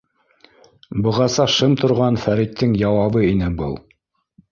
— Бығаса шым торған Фәриттең яуабы ине был.